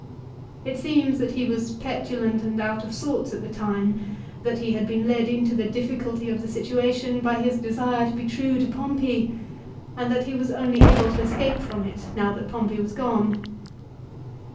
It seems that he was petulant and out of sorts at the time, that he had been led into the difficulty of the situation by his desire to be true to Pompey, and that he was only able to escape from it now that Pompey was gone.